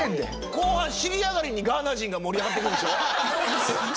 後半尻上がりにガーナ人が盛り上がってくるんでしょ？